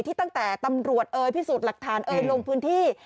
ตั้งแต่ตำรวจเอ่ยพิสูจน์หลักฐานเอ่ยลงพื้นที่